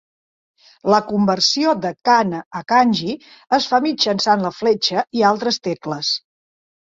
La conversió de kana a kanji es fa mitjançant la fletxa i altres tecles.